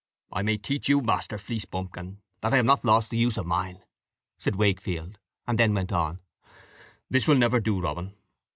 "I may teach you, Master Fleecebumpkin, that I have not lost the use of mine," said Wakefield, and then went on: "This will never do, Robin.